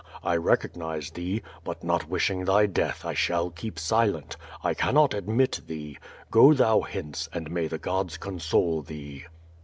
I recognize thee, but, not wishing thy death, I shall keep silent. I cannot admit thee. Go thou hence, and may the gods console thee.''